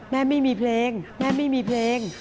แม่ไม่มีเพลงแม่ไม่มีเพลง